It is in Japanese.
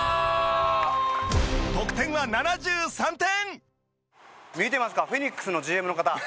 得点は７３点。